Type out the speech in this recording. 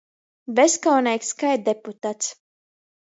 Bezkauneigs kai deputats.